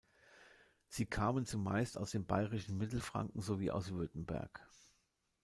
Sie kamen zumeist aus dem bayerischen Mittelfranken sowie aus Württemberg.